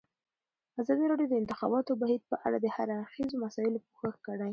ازادي راډیو د د انتخاباتو بهیر په اړه د هر اړخیزو مسایلو پوښښ کړی.